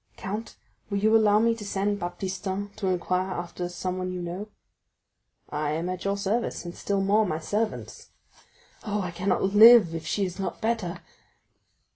"Count, will you allow me to send Baptistin to inquire after someone you know?" "I am at your service, and still more my servants." "Oh, I cannot live if she is not better."